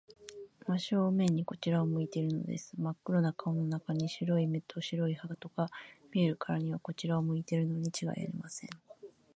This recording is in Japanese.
真正面にこちらを向いているのです。まっ黒な顔の中に、白い目と白い歯とが見えるからには、こちらを向いているのにちがいありません。